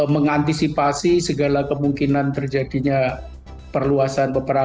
mengantisipasi segala kemungkinan terjadinya perluasan peperangan